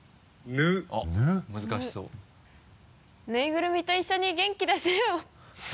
「ぬいぐるみと一緒に元気だしなよ」